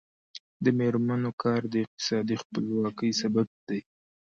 د میرمنو کار د اقتصادي خپلواکۍ سبب دی.